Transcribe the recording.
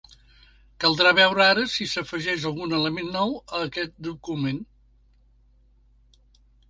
Caldrà veure ara si s’afegeix algun element nou a aquest document.